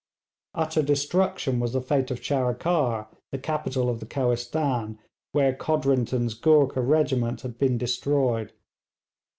Utter destruction was the fate of Charikar, the capital of the Kohistan, where Codrington's Goorkha regiment had been destroyed.